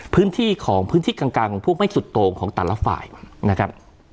พื้นที่ของพื้นที่กลางของพวกไม่สุดโตรงของแต่ละฝ่ายนะครับ